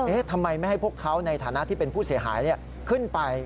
ทำไมไม่ให้พวกเขาในฐานะที่เป็นผู้เสียหายขึ้นไป